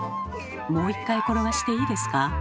もう一回転がしていいですか？